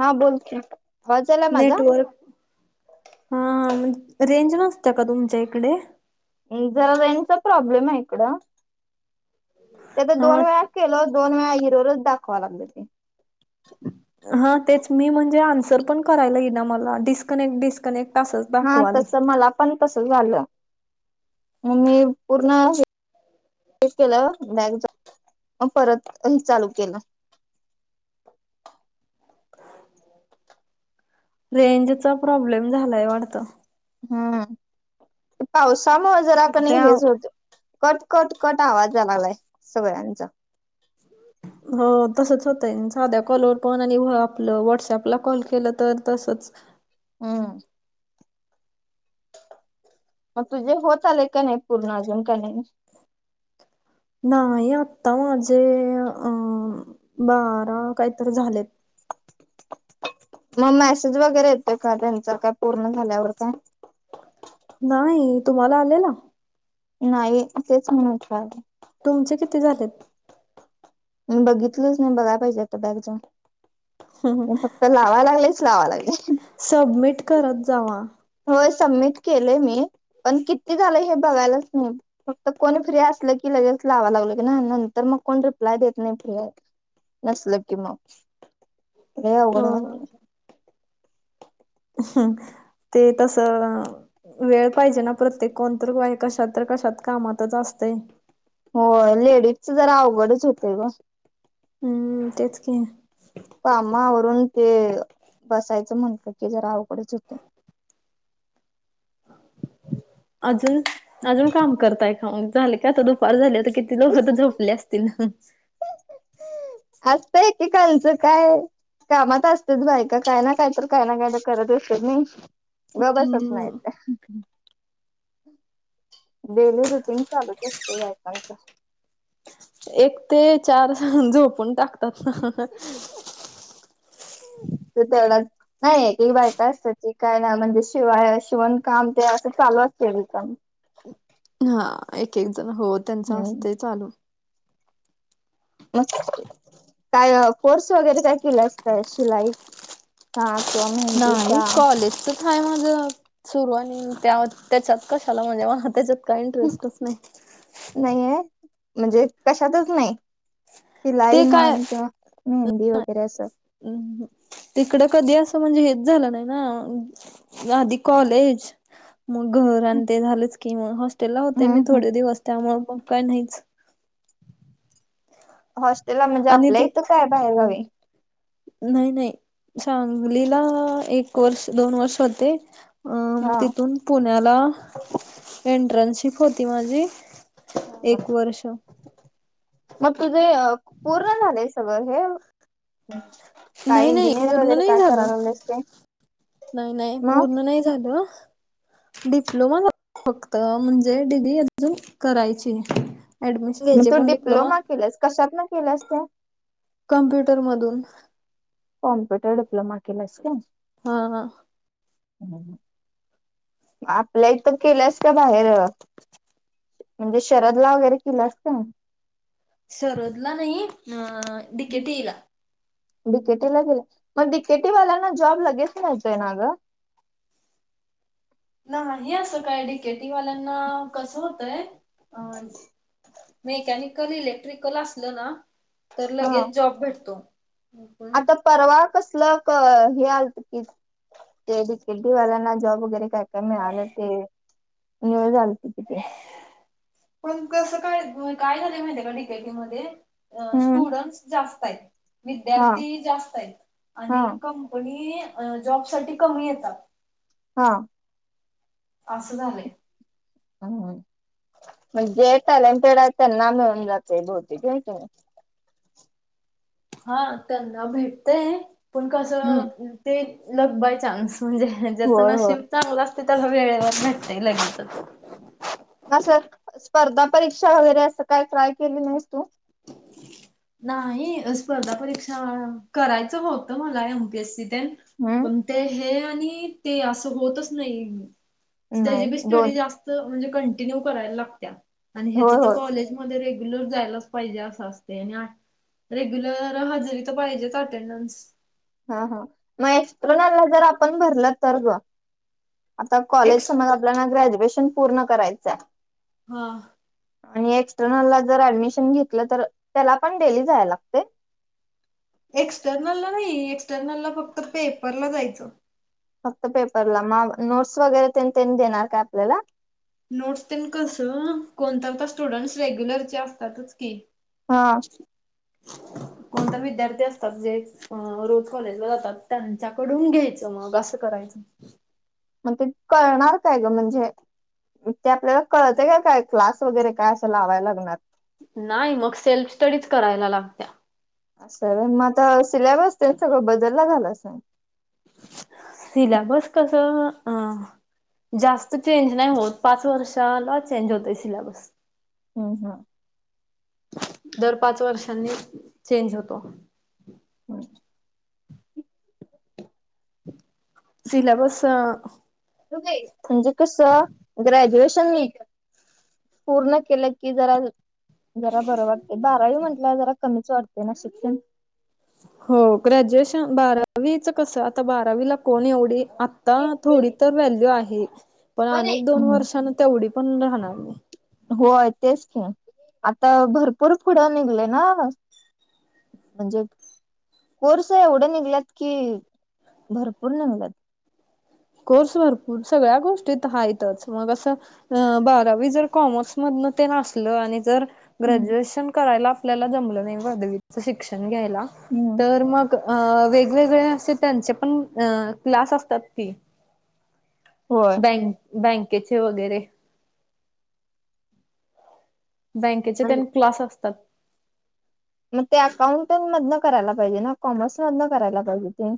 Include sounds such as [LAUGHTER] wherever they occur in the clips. हा बोलकी. नेटवर्क हा म्हणजे रेंज नसते का तुमच्या इकडे? जरा रेंजचा प्रॉब्लेम आहे इकडं. ते तर हा दोन वेळा केलो दोन वेळा इरर च दाखवा लागले ते. हा तेच मी म्हणजे आन्सर पण करायला येईना मला डिस्कनेक्ट डिस्कनेक्ट. असंच हा दाखवाले तस मला पण तस झालं. मग मी पूर्ण हे ते केलं बॅक जाऊन मग परत हे चालू केलं. रेंजचा प्रॉब्लेम झालाय वाटत. हम्म पावसामुळे जरा क नाही हेच होत. कट कट कट आवाज यायला लागलाय सगळ्यांचा. हो तसंच होत आहे साध्या कॉलवर पण आणि आपलं व्हॉट्सअपला कॉल केलं तर तसंच. हम. तुझे होत आले का नाही पूर्ण का नाही? नाही आता माझे अ बारा काहीतरी झालेत. मग मेसेज वगैरे येते का त्यांच काय पूर्ण झाल्यावर काय? नाही तुम्हाला आलेला? नाही तेच म्हणूनच. तुमचे किती झालेत? म बघितलंच नाही बघाला पाहिजे आता बॅक जाऊन फक्त. तर लावा लागलेच लावा लागले. सबमिट करत जावा. होय सबमिट केले मी पण किती झालं हे बघायलाच नाही. फक्त कोणी फ्री असल की लगेच लावं लागलं की नंतर मग कोण रिप्लाय देत नाही फ्री आहे. नसल कि मग हे अवघड म्हण हो हम् ते तसं वेळ पाहिजे ना प्रत्येक कोणत कशात तर कशात कामातच असतं. हो लेडीजचं जरा अवघडच होतय ग. हम्म तेच की. काम आवरून ते बसायचं म्हटलं की जरा अवघडच होतंय. अजून अजून काम करताय का? झाले का आता दुपार झाली. किती लोक झोपले असतील. असतं एकेकांचं काय? कामात असतेच बाई का काय ना काय तर काय ना काय तर करत असत नई. गप बसत नाही. हम्म डेली रुटीन चालूच असते बायकांच. एक ते चार झोपून टाकतात ना. [UNINTELLIGIBLE] नाही बायका असत त काय नाही म्हणजे शिवाय शिवण काम ते असं चालू असते. हा एक एक जण हो त्यांच हम्म असत चालू. म काय कोर्स वगैरे काय केलं अस काय शिलाई? हा किंवा मेंदीचा? हय माझं सुरू आणि त्या त्याच्यात कशाला म्हणजे त्याच्यात काही इंटरेस्टच नाही. नाही ओ म्हणजे कशातच नाही. शिलाई ते काय म्हण किंवा मेहंदी वगैरे अस. हम् तिकडं कधी असं म्हणजे हेच झालं नाही ना. या आधी कॉलेज मग घर आण हम्म ते झालेच की हॉस्टेलला होते मी हम्म थोडे दिवस त्यामुळ मग काय नाहीच. हॉस्टेलला म्हणजे आणि आपल्या ते इथं काय बाहेरगावी नाही नाही सांगलीला एक वर्ष दोन वर्ष होते. हा तिथून पुण्याला इंटरनशिप होती माझी. एक वर्ष मग तुझं पूर्ण झाले सगळं हे काय नाही नाही इंजिनिअर पूर्ण वगैरे नाही काय झालं करायला लागलेस काय? नाही नाही पूर्ण नाही झालं. डिप्लोमा झाला फक्त म्हणजे डिग्री अजून करायची आहे. मग तू डिप्लोमा केलास कशात न केलास तु? कम्प्युटर मधून कॉम्प्युटर डिप्लोमा केलास होय. हा. हा. आपल्या इथं केलंस का बाहेर म्हणजे शरदला वगैरे केल्यास काय? शरदला नाही अ डि के टी ई ला डीकेटीला केला मग डीकेटी वाल्यांना जॉब लगेच मिळतो ना ग. नाही असं काय डीकेेटीवाल्यांना कसं होतंय? अ मेकॅनिकल, इलेक्ट्रिकल असलं ना? तर हा. लगेच जॉब भेटतोय. आता परवा कसल क हे आलत की ते डिकेटी वाल्यांना जॉब वगैरे काय काय मिळालं ते. न्यूज आलती की ती. पण कसं काय काय झालं माहिती का डीकेटी मध्ये? हम्म स्टुडंट्स जास्त आहेत हा विद्यार्थी जास्त आहेत हा आणि कम कोणी जॉब साठी कमी येतात. हा. असं झालंय म्हणजे जे टॅलेंटेड आहे त्यांना मिळून जाते बहुतेक हाय की नाय. हा त्यांना भेटतंय पण कसं हम्म ते लक बाय चान्स. म्हणजे ज्याचं होय होय. नशीब चांगलं असते त्याला वेळेवर भेटतय लगेचच., असं स्पर्धा परीक्षा वगैरे असं काय ट्राय केली नाहीस तू. नाही स्पर्धा परीक्षा करायचं होतं मला एम पी एस सी तेन हम्म पण ते हे आणि ते असं होतच नाही नाही त्याची बी स्टडी दोन जास्त त्याज कंटिन्यू करायला लागत्या ह्याच होय तर होय कॉलेज मध्ये रेग्युलर जायलाच पाहिजे अस असत आणि आ रेग्युलर हजेरी तर पाहिजेच अटेंडन हा हा मग एसकट्रनला जर आपण भरल तर ग आता कॉलेज एक्स समज आपल्याला ग्रॅज्युएशन पूर्ण करायचं आहे. हा. आणि एक्सटर्नल ला जर ऍडमिशन घेतलं तर त्याला पण डेली जायला लागतय. एक्सटर्नल ला नाही एक्सटर्नल ला फक्त पेपरला जायचं. फक्त पेपरला. मग नोट्स वगैरे तेन त्यांनी देणार काय आपल्याला? नोट्स तेन कसं कोणता तर स्टुडंट्स रेग्युलरचे असतातच की. हां. कोणतर विद्यार्थी असतात जे अ रोज कॉलेजला जातात, त्यांच्याकडून घ्यायचं मग असं करायचं. मग ते कळणार काय गं म्हणजे ते आपल्याला कळतंय का काय, क्लास वगैरे काय असं लावाय लागणार? नाही मग सेल्फ स्टडीज करायला लागत्या. असं हाय व्हय, मग आता सिलॅबस ते सगळं बदलला झाला असंन. सिलॅबस कसं अ जास्त चेंज नाही होत, पाच वर्षाला चेंज होतंय सिलॅबस. अं हं. दर पाच वर्षांनी चेंज होतो. [INAUDIBLE] सिलॅबस [UNINTELLIGIBLE] म्हणजे कसं ग्रॅज्युएशन पूर्ण केलं की जरा जरा बरं वाटतंय. बारावी म्हंटल्यावर जरा कमीच वाटतंय ना शिक्षण. हो ग्रॅज्युएशन बारावीचं कसं आता बारावीला कोण एवढी आ ता थोडी तर व्हॅल्यू आहे. पण अनेक दोन वर्षांनं तेवढी पण राहणार नाही. होय तेच की, आता भरपूर पुढं निघलंय ना. म्हणजे कोर्स एवढं निघल्यात की भरपूर निघल्यात. कोर्स भरपूर सगळ्या गोष्टीत हायतच मग असं हं बारावी जर कॉमर्स मधनं तेन असलं आणि जर हम्म ग्रॅज्युएशन करायला आपल्याला जमलं नाही, [UNINTELLIGIBLE] शिक क्षण घ्यायला. हम्म तर मग अ वेग वेगवेगळे असे त्यांचेपण अ क्लास असतात की. होय. [UNINTELLIGIBLE] बँकेचे वगैरे. बँकेचे तेन क्लास असतात. [INAUDIBLE] मग ते अकाउंटंट मधनं करायला पाहिजे ना, कॉमर्स मधनं करायला पाहिजे ते.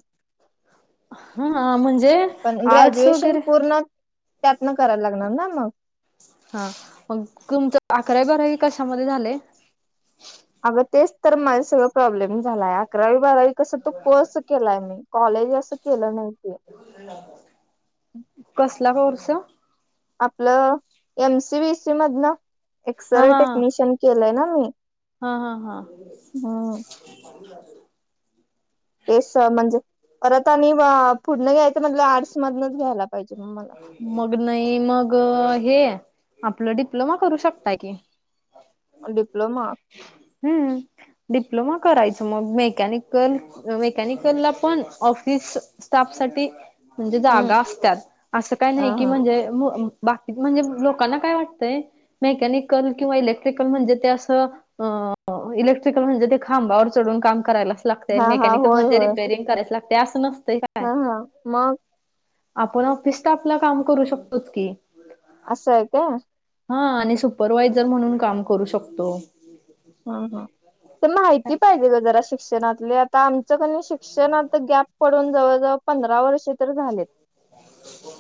हा म्हणजे पण आर्ट्स ग्रॅज्युएशन वगैरे पूर्ण त्यांतनं कराय लागणार ना मग. हां मग तुमचं अकरावी बारावी कशामध्ये झालंय? अगं तेच तर माझं सगळं प्रॉब्लेम झालाया. अकरावी बारावी कसं तो कोर्स केलाय मी, कॉलेज असं केलं नाही ते. कसला कोर्स? आपलं एमसीव्हीसी मधनं. एक्सरे हा टेक्निशियन केलंय ना मी, हा हा हा हम्म. [INAUDIBLE] तेस म्हणजे परत आणि पुढनं घ्यायचं म्हणलं, आर्ट्स मधनच घ्यायला पाहिजे मग मला. मग नाही, मग हे आपलं डिप्लोमा करू शकताय की. डिप्लोमा हं. डिप्लोमा करायचं मग मेकॅनिकल मेकॅनिकलला पण ऑफिस स्टाफ साठी म्हणजे हम्म जागा असत्यात असं काही हा नाही की हा म्हणजे म्ह म्ह बाकीचं म्हणजे लोकांना काय वाटतंय मेकॅनिकल किंवा इलेक्ट्रिकल म्हणजे ते असं अ इलेक्ट्रिकल म्हणजे ते खांबावर चढून काम करायलाचं लागतंय आणि हा हा मेकॅनिकल होय म्हणजे होय रिपेरिंग करायच लागतंय असं नसतंय काय. हा हा मग? आपण ऑफिस स्टाफला काम करू शकतोच की. असं आहे काय. हा आणि सुपरवायजर म्हणून काम करू शकतो. हा हा ते माहिती पाहिजे गं जराशी. शिक्षणातली. आता आमचं कणी शिक्षणात गॅप पडून जवळ जवळ पंधरा वर्षे तर झालेत.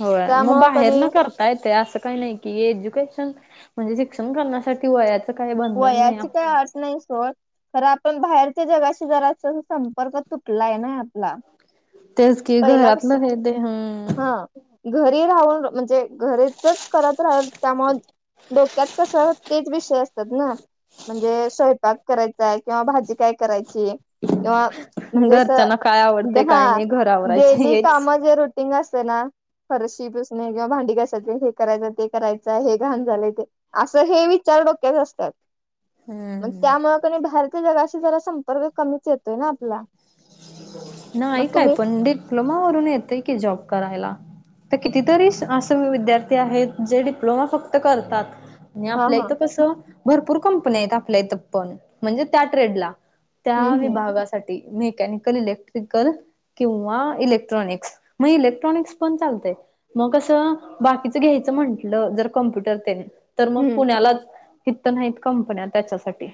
होय मग त्यामुळं कणी बाहेरनं कर -ता येतंय असं काय नाही की एज्यूकेशन म्हणजे शिक्षण करण्यासाठी वया वयाची काय अट नाही सोड. खरं आपण बाहेरच्या जगाशी जरासं संपर्क तुटलाय नाही आपला. तेच की पहिला कस घरातलं हे ते हुं. हा घरी राहून म्हणजे घरेचंच करत राहिलो त्यामुळं डोक्यात कसं तेच विषय अस -तात ना म्हणजे स्वयंपाक करायचाय किंवा भाजी काय करायची किंवा म्हणजे असं घरच्यांना काय आवडतंय डे- हा काय नाही घर आवरायचं डेली हेच कामं जे रूटिंग असतंय ना फरशी पुसणे किंवा भांडी घासायची आहेत हे करायचंय ते करायचंय हे घाण झालंय ते असं हे विचार डोक्यात असत्यात. आणि हम्म त्यामुळं कणी बाहेरच्या जगाशी जरा संपर्क कमीच येतोय ना आपला. मग नाही काय तुम्ही पण डिप्लोमा वरून येतंय की जॉब करायला. आता कितीतरी स- असे विद्यार्थी आहेत जे डिप्लोमा फक्त करतात. आणि हा आपल्या हा इथं कसं भरपूर कंपन्या आहेत आपल्या इथं पण म्हणजे त्या ट्रेडला. हम्म त्या हम्म विभागासाठी मेकॅनिकल इलेक् ट्रिकल किंवा इलेक्ट्रॉनिक्स मग इलेक्ट्रॉनिक्स पण चालतंय. मग कसं बाकीचं घ्यायचं म्हंटलं जर कॉम्प्युटर तेन तर मग हम्म पुण्यालाचं. इथं नाहीत कंपन्या त्याच्यासाठी.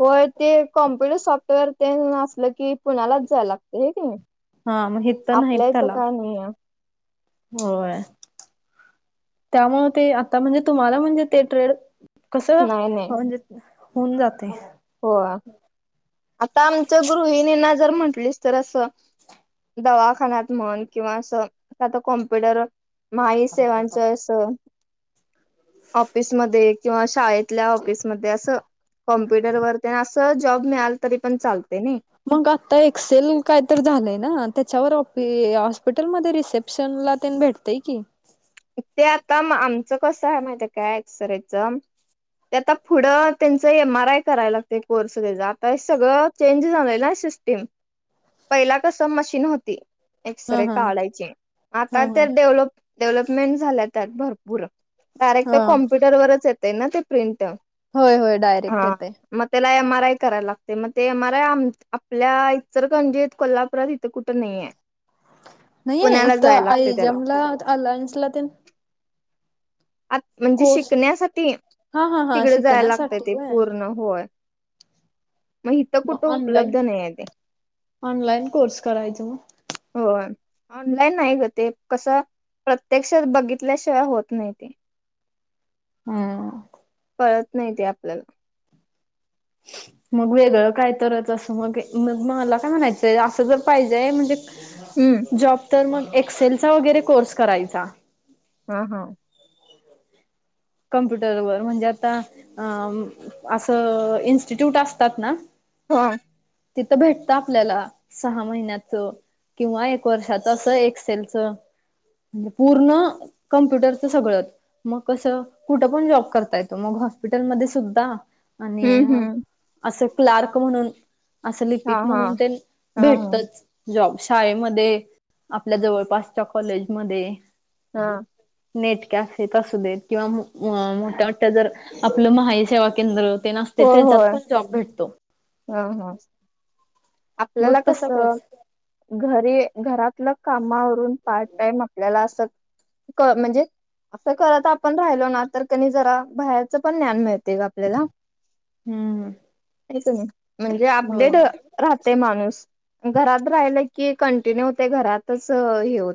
होय ते कॉम्प्युटर सॉफ्टवेअर तेन असलं की पुण्यालाच जायला लागतंय होय कणी हा मग हित नाहीत आपल्या इथं त्याला काय नाही आहे. होय. त्यामुळं ते आता म्हणजे तुम्हाला म्हणजे ते ट्रेड कसं नाही [UNINTELLIGIBLE] होऊन जातंय. होय. आता आमच्या गृहिणींना जर म्हंटलीस तर असं दवाखान्यात म्हण किंवा असं कुठल्या तर कॉम्प्युटर वर महा इ सेवांचं हो ऑफिस मध्ये किंवा शाळेतल्या ऑफिस मध्ये असं [UNINTELLIGIBLE] तेन असं जॉब मिळाला तरी पण चालतंय नाही. मग आता एक्सेल काय तर झालंय ना त्याच्यावर ऑफी- हॉस्पिटल मध्ये रिसेप्शनला तेन भेट -तंय की ते आता म-आमचं कसं आहे माहितीये काय एक्सरेचं ते आता पुढं त्यांचं एम आर आय करायला लागतंय कोर्स त्याचा. आता हे सगळं चेंज झालंय ना सिस् टीम पहिला कसं मशीन होती. हा एक्सरे हा काढायचे. आता हा तर हा डेव्हलप-डेव्हलपमेंट झाल्या त्यात भरपूर. डायरेक्ट हा कॉम्प्युटरवरच येतय ना ते प्रिंट. होय होय डायरेक्ट हा येतंय. मग त्याला एम आर आय करायला लागतंय, मग ते एम आर आय आपल्या इचलकरंजीत कोल्हापुरात इथं कुठ तर नाही आहे. नाहीये इथं आयजमला अलायन्सला तेन? आ म्हणजे कोर्स शिकण्यासाठी हा हा हा तिकडे जायला लागतंय शिकण्यासाठी ते होय. पूर्ण होय. मग इथं कुठं उपलब्ध नाहीये ते. ऑनलाईन कोर्स करायचा मग. होय. ऑनलाईन नाही ग ते, कसं प्रत्यक्षात बघितल्याशिवाय होत नाही ते. हम्म. कळत नाही ते आपल्याला. मग वेगळं काय तरच असं मग मग मला काय म्हणायचंय, असं जर‌ पाहिजे हाय म्हणजे हम्म. जॉब तर मग एक्सेलचा वगैरे कोर्स करायचा. हा हा. कम्प्युटरवर म्हणजे आता अ असं इन्स्टिट्यूट असतात ना हा. तिथं भेटत आपल्याला सहा महिन्याचं. किंवा एक वर्षाच असं एक्सेलच म्हणजे पूर्ण कम्प्युटरचं सगळंच. मग कसं कुठं पण जॉब करता येतो, मग हॉस्पिटलमध्येध्ये सुद्धा आणि हम्म हम्म असं क्लार्क म्हणून असं हा लिपिक हा म्हणून तेन हा हा भेटतच. जॉब शाळेमध्ये आपल्या जवळपासच्या कॉलेजमध्ये. हा. नेट कॅफेत असू देत किंवा अ मोठ्या मोठ्या जर आपलं महाई सेवा केंद्र तेन असतंय होय होय त्याच्यात पण जॉब भेटतो. हा हा. आपल्याला मग तसा कसं कोर्स घरी घरातलं काम आवरून पार्ट टाईम आपल्याला असं क म्हणजे अस करत आपण राहिलो ना तर कनई जरा बाहेरचं पण ज्ञान मिळतंय ओ आपल्याला. हम्म. [UNINTELLIGIBLE] म्हणजे अपडेट हो राहतंय माणूस. घरात राहिलं की कंटिन्यू ते घरातच हे होत